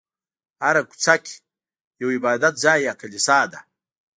هره کوڅه کې یو عبادت ځای یا کلیسا ده.